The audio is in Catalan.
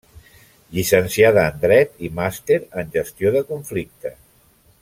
Llicenciada en dret i màster en gestió de conflictes.